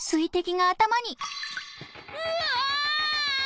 うわ！